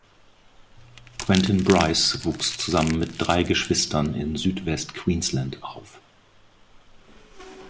Quentin Bryce wuchs zusammen mit drei Geschwistern in Südwest-Queensland auf.